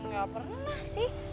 gak pernah sih